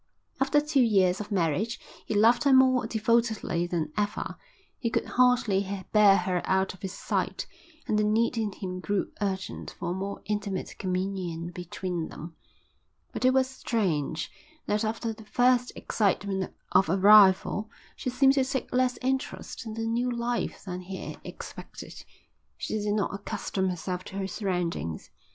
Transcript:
After two years of marriage he loved her more devotedly than ever, he could hardly bear her out of his sight, and the need in him grew urgent for a more intimate communion between them. But it was strange that after the first excitement of arrival she seemed to take less interest in the new life than he had expected. She did not accustom herself to her surroundings.